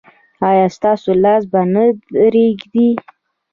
ایا ستاسو لاس به نه ریږدي؟